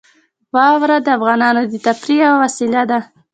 واوره د افغانانو د تفریح یوه وسیله ده.